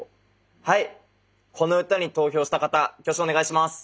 はいこの歌に投票した方挙手お願いします。